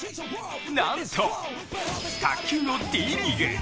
なんと卓球のＴリーグ。